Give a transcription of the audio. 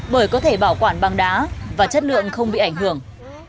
bởi có thể bảo quản bằng đá và chất lượng không bị ảnh hưởng